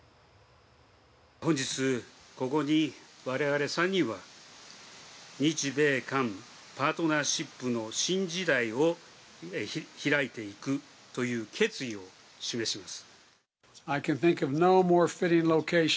本日、ここにわれわれ３人は、日米韓パートナーシップの新時代をひらいていくという決意を示します。